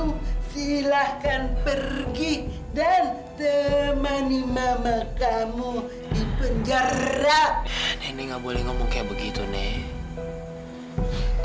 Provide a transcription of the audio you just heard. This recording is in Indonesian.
nenek gak boleh ngomong kayak begitu nek